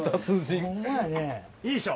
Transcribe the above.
いいでしょ。